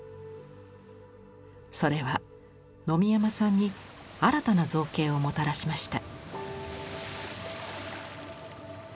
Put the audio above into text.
それは野見山さんに新たな造形をもたらしました。